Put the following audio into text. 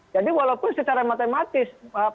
jadi walaupun secara matematis